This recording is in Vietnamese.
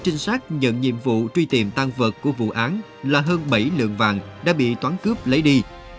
trong vụ truy tìm tăng vật của vụ án là hơn bảy lượng vàng đã bị toán cướp lấy đi